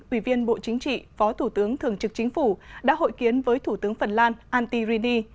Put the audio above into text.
ủy viên bộ chính trị phó thủ tướng thường trực chính phủ đã hội kiến với thủ tướng phần lan antti rini